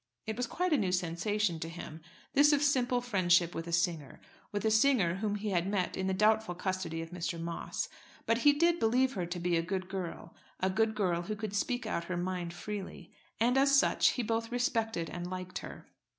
It was quite a new sensation to him, this of simple friendship with a singer, with a singer whom he had met in the doubtful custody of Mr. Moss; but he did believe her to be a good girl, a good girl who could speak out her mind freely; and as such he both respected and liked her.